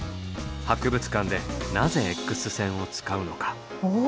博物館でなぜＸ線を使うのか？